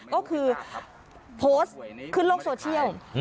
ก็คือโพสต์ขึ้นโลกโซเชียล